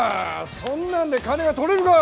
そんなんで金が取れるか。